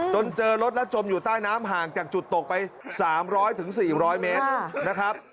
จนเจอรถและจมอยู่ใต้น้ำห่างจากจุดตกไป๓๐๐๔๐๐เมตรนะครับ